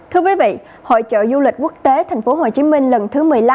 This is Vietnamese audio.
thưa quý vị hội trợ du lịch quốc tế thành phố hồ chí minh lần thứ một mươi năm